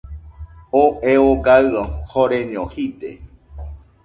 Oo eo gaɨa joreño jide.